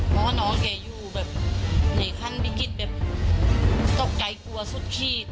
เพราะว่าน้องเกยูแบบเหนื่อยขั้นบิกิจแบบตกใจกลัวสุดขีด